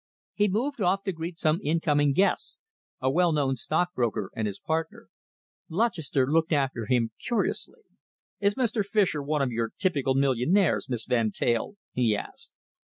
He moved off to greet some incoming guests a well known stockbroker and his partner. Lutchester looked after him curiously. "Is Mr. Fischer one of your typical millionaires, Miss Van Teyl?" he asked.